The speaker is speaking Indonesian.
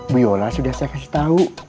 bu yola sudah saya kasih tahu